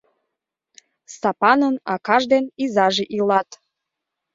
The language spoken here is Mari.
Стапанын акаж ден изаже илат.